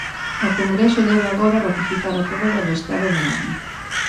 O Congreso debe agora ratificar a prórroga do estado de alarma.